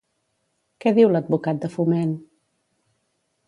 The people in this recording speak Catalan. Què diu l'advocat de Foment?